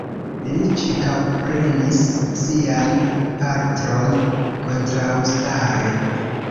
Li ĉirkaŭprenis sian patron kontraŭstare.